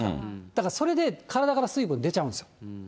だからそれで体から水分出ちゃうんですよ。